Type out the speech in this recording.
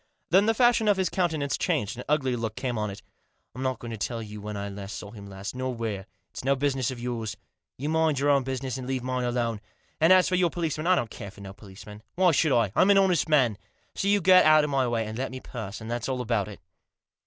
Then the fashion of his countenance changed, an ugly look came on it. " I'm not going to tell you when I saw him last, nor where. It's no business of yours. You mind your own business, and leave mine alone. And as for your Digitized by 208 THE J08S. policeman, I don't care for no policeman. Why should I ? I'm an honest man. So you get out of my way and let me pass ; and that's all about it."